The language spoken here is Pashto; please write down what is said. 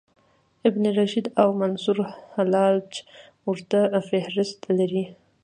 ابن رشد او منصورحلاج اوږد فهرست لري.